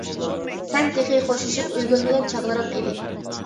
سەن تېخى خوشلىشىپ ئۈلگۈرمىگەن چاغلىرىڭ ئىدى.